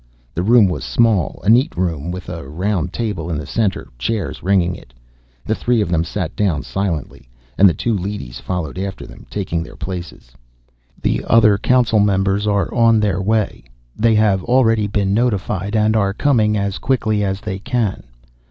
The room was small, a neat room with a round table in the center, chairs ringing it. The three of them sat down silently, and the two leadys followed after them, taking their places. "The other Council Members are on their way. They have already been notified and are coming as quickly as they can.